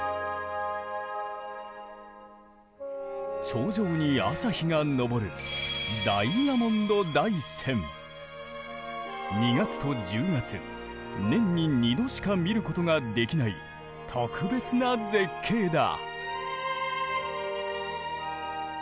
頂上に朝日が昇る２月と１０月年に２度しか見ることができない特別な絶景だ。